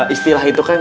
istilah itu kan